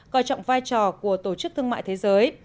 coi trọng vai trò của tổ chức thương mại thế giới